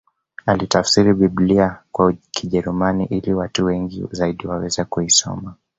Alitafsiri Biblia kwa Kijerumani ili watu wengi zaidi waweze kuisoma